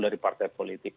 dari partai politik